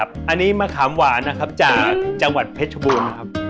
อันนี้มะคารมหวานจากจังหวัดพรดชบุล